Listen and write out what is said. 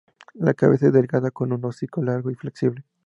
La cabeza es delgada, con un hocico largo y flexible.